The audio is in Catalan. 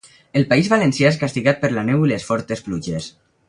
El País Valencià és castigat per la neu i les fortes pluges.